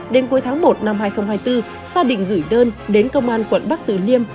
đến cuối tháng một năm hai nghìn hai mươi bốn gia đình gửi đơn đến công an quận bắc tử liêm